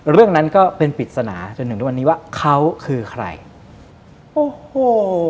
เรื่องนั้นก็เป็นปริศนาจนถึงทุกวันนี้ว่าเขาคือใครโอ้โห